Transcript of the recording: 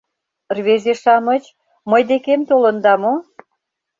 — Рвезе-шамыч, мый декем толында мо?